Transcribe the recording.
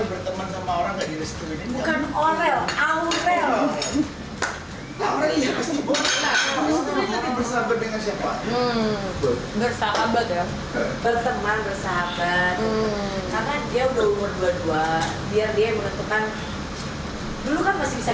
bersahabat bersahabat bersahabat karena dia udah umur dua puluh dua biar dia mengetahui dulu kan masih bisa